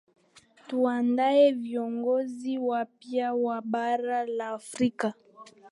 tuandae viongozi wapya wa bara la afrika